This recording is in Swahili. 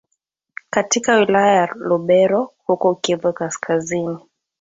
katika wilaya ya Lubero huko Kivu Kaskazini